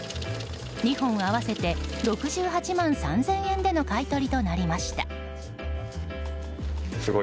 ２本合わせて６８万３０００円での買い取りとなりました。